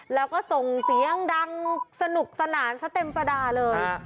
แล้วก็ส่งเสียงดังสนุกสนานซะเต็มประดาเลย